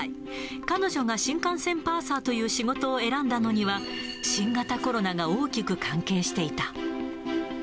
彼女が新幹線パーサーという仕事を選んだのには、新型コロナが大きく関係していた。